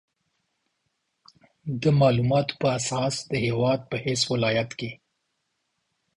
د مالوماتو په اساس د هېواد په هېڅ ولایت کې